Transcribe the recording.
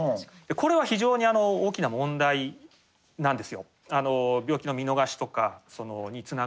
これは非常に大きな問題なんですよ。